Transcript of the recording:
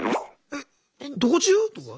「えっどこ中？」とか？